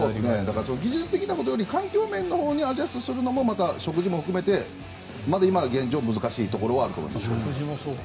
技術的なことより環境面にアジャストするのも食事とか現状、難しいところはあると思います。